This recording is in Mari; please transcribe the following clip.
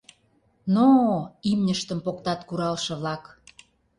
— Но-о! — имньыштым поктат куралше-влак.